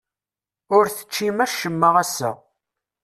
Ur teččim acemma ass-a.